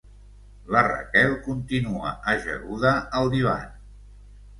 La Raquel continua ajaguda al divan.